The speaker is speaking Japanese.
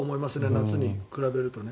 夏に比べるとね。